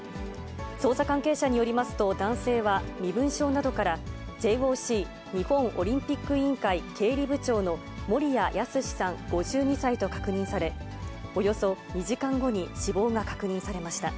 捜査関係者によりますと、男性は身分証などから、ＪＯＣ・日本オリンピック委員会経理部長の森谷靖さん５２歳と確認され、およそ２時間後に死亡が確認されました。